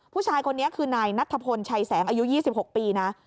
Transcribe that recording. ผู้ชายคนนี้คือนายนัทพลชัยแสงอายุ๒๖ปีนะ